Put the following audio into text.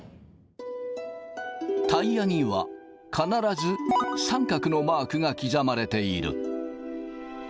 タイヤには必ず三角のマークが刻まれている。